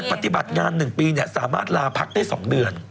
ปฏิบัติงาน๑ปีสามารถลาพักได้๒เดือน